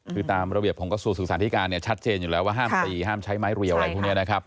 คือตามระเบียบของกระทรวงศึกษาธิการเนี่ยชัดเจนอยู่แล้วว่าห้ามตีห้ามใช้ไม้เรียวอะไรพวกนี้นะครับ